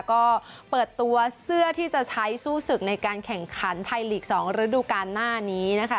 ก็เปิดตัวเสื้อที่จะใช้สู้ศึกในการแข่งขันไทยลีก๒ฤดูการหน้านี้นะคะ